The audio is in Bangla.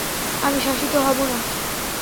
আমি শাসিত হব না।